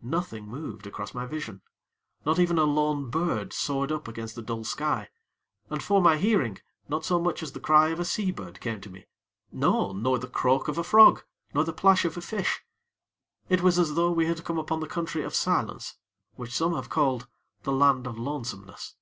Nothing moved across my vision not even a lone bird soared up against the dull sky; and, for my hearing, not so much as the cry of a sea bird came to me no! nor the croak of a frog, nor the plash of a fish. It was as though we had come upon the Country of Silence, which some have called the Land of Lonesomeness.